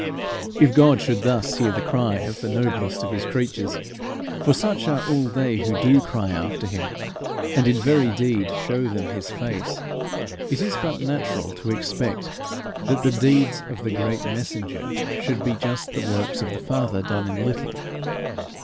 If God should thus hear the cry of the noblest of his creatures, for such are all they who do cry after him, and in very deed show them his face, it is but natural to expect that the deeds of the great messenger should be just the works of the Father done in little.